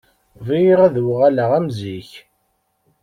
Bɣiɣ ad uɣaleɣ am zik.